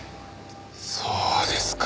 そうですか。